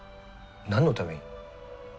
何のために？